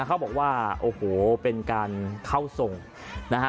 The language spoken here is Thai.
เขาบอกว่าโอ้โหเป็นการเข้าทรงนะฮะ